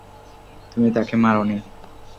তুমি তাকে মারোনি।